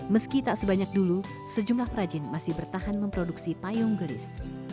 meski tak sebanyak dulu sejumlah perajin masih bertahan memproduksi payung gelis